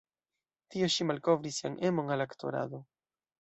Tie ŝi malkovris sian emon al aktorado.